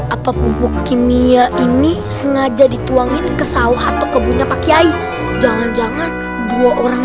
apa pupuk kimia ini sengaja dituangin ke sawah atau kebunnya pak kiai jangan jangan dua orang